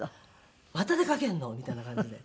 「また出かけるの？」みたいな感じで。